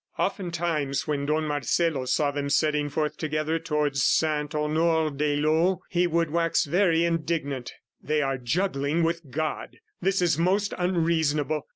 Oftentimes when Don Marcelo saw them setting forth together toward Saint Honore d'Eylau, he would wax very indignant. "They are juggling with God. ... This is most unreasonable!